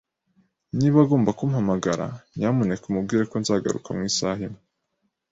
Niba agomba kumpamagara, nyamuneka umubwire ko nzagaruka mu isaha imwe